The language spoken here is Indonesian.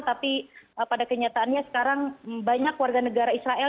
tapi pada kenyataannya sekarang banyak warga negara israel